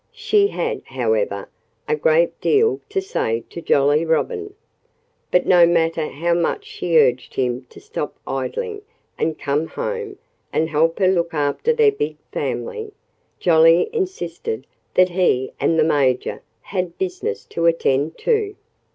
She had, however, a great deal to say to Jolly Robin. But no matter how much she urged him to stop idling and come home and help her look after their big family, Jolly insisted that he and the Major "had business to attend to."